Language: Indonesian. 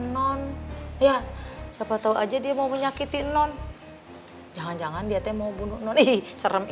non ya siapa tahu aja dia mau menyakiti non jangan jangan dia mau bunuh noni serem